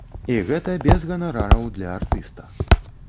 І гэта без ганарараў для артыста.